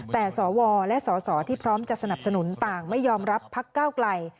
แต่สวและสสที่พร้อมจะสนับสนุนต่างไม่ยอมรับพักก้าวไกล